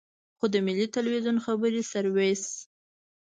خو د ملي ټلویزیون خبري سرویس.